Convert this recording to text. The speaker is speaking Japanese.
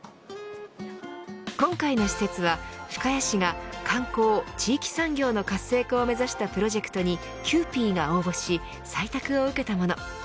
今回の施設は、深谷市が観光、地域産業の活性化を目指したプロジェクトにキユーピーが応募し採択を受けたもの。